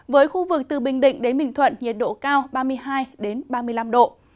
với khu vực từ bình định đến bình thuận nhiệt độ cao ba mươi hai ba mươi năm độ